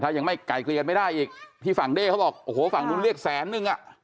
ยังไม่ไกลเกลียดไม่ได้อีกที่ฝั่งเด้เขาบอกโอ้โหฝั่งนู้นเรียกแสนนึงอ่ะ